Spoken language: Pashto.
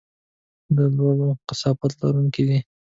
د لوړ کثافت لرونکي دي.